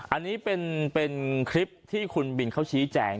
อันนี้เป็นคลิปที่คุณบินเขาชี้แจง